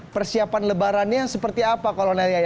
persiapan lebarannya seperti apa kolonel yayan